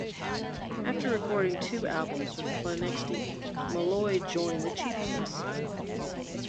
After recording two albums with Planxty, Molloy joined The Chieftains.